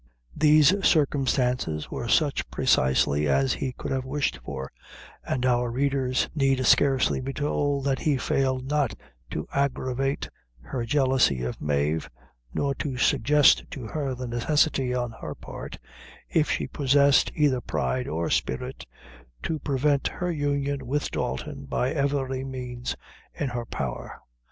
These circumstances were such precisely as he could have wished for, and our readers need scarcely be told that he failed not to aggravate her jealousy of Mave, nor to suggest to her the necessity on her part, if she possessed either pride or spirit, to prevent her union with Dalton by every means in her power.